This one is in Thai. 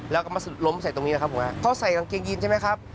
แล้วก็มาล้มใส่ตรงนี้แหละครับผมเขาใส่กางเกงยีนใช่ไหมครับ